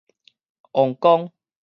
王公